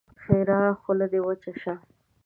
ښېرا: خوله دې وچه شه!